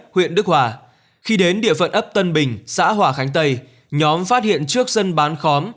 huyện đức hòa khi đến địa phận ấp tân bình xã hòa khánh tây nhóm phát hiện trước dân bán khóm